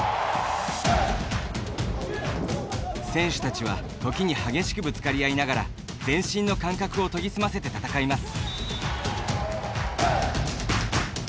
選手たちは、時に激しくぶつかり合いながら全身の感覚を研ぎ澄ませて戦います。